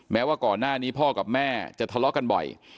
แม้ว่าก่อนหน้านี้พ่อกับแม่จะทะเลาะกันบ่อย